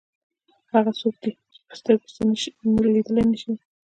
هغه څوک دی چې په سترګو څه لیدلی نه شي.